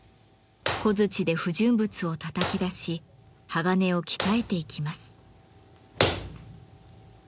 小づちで不純物をたたき出し鋼を鍛えていきます。